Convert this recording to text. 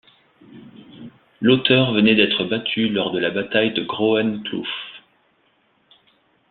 Lotter venait d'être battu lors de la bataille de Groenkloof.